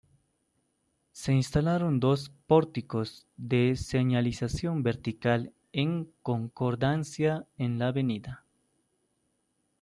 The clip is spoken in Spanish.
Se instalaron dos pórticos de señalización vertical en concordancia en la Av.